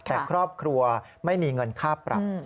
แต่ครอบครัวไม่มีเงินค่าปรับ